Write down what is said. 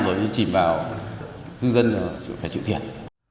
mới chìm vào hương dân là phải chịu thiệt